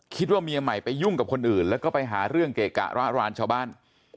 คิดว่าเมียใหม่ไปยุ่งกับคนอื่นแล้วก็ไปหาเรื่องเกะกะระรานชาวบ้าน